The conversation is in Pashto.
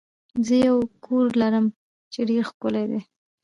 زه یو کور لرم چې ډیر ښکلی دی.